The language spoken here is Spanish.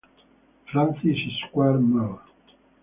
Francis Square Mall.